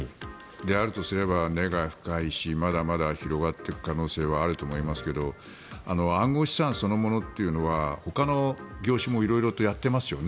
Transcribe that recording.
であるとすれば根が深いしまだまだ広がっていく可能性はあると思いますが暗号資産そのものというのはほかの業種も色々とやっていますよね。